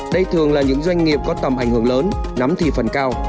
đây thường là những doanh nghiệp có tầm ảnh hưởng lớn nắm thị phần cao